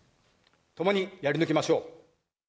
共にやり抜きましょう。